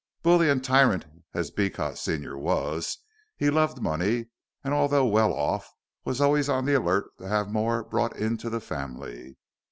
Bully and tyrant as Beecot senior was, he loved money, and although well off, was always on the alert to have more brought into the family.